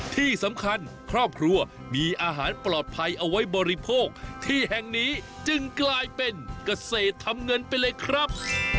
ที่สำคัญครอบครัวมีอาหารปลอดภัยเอาไว้บริโภคที่แห่งนี้จึงกลายเป็นเกษตรทำเงินไปเลยครับ